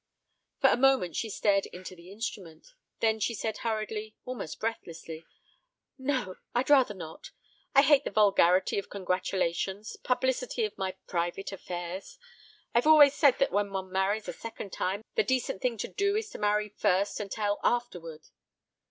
For a moment she stared into the instrument. Then she said hurriedly, almost breathlessly: "No I'd rather not. I hate the vulgarity of congratulations publicity of my private affairs. I've always said that when one marries a second time the decent thing to do is to marry first and tell afterward."